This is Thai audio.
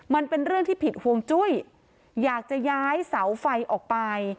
มันเป็นเรื่องที่ผิดห่วงจุ้ยอยากจะย้ายเสาไฟออกไป